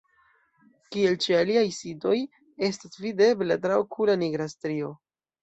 Kiel ĉe aliaj sitoj estas videbla traokula nigra strio.